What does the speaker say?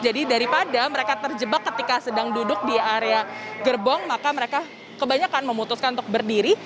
jadi daripada mereka terjebak ketika sedang duduk di area gerbong maka mereka kebanyakan memutuskan untuk berdiri